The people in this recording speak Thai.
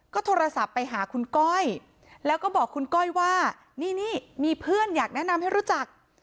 ก็โทรศัพท์ไปหาคุณก้อยแล้วก็บอกคุณก้อยว่านี่นี่มีเพื่อนอยากแนะนำให้รู้จัก